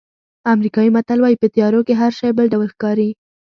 امریکایي متل وایي په تیارو کې هر شی بل ډول ښکاري.